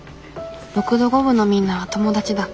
６度５分のみんなは友達だ。